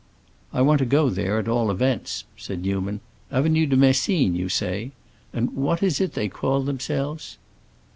"I want to go there, at all events," said Newman. "Avenue de Messine, you say? And what is it they call themselves?"